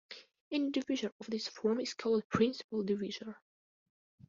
Any divisor of this form is called principal divisor.